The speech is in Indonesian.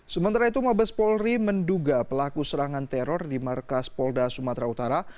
sementara itu mabes polri menduga pelaku serangan teror di markas polda sumatera utara